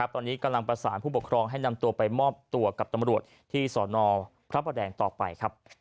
ตอนนี้กำลังประสานผู้ปกครองให้นำตัวไปมอบตัวกับตำรวจที่สนพระประแดงต่อไป